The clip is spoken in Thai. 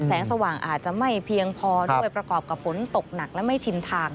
สว่างอาจจะไม่เพียงพอด้วยประกอบกับฝนตกหนักและไม่ชินทาง